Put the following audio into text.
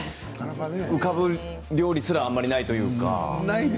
浮かぶ料理すらあまりないというか。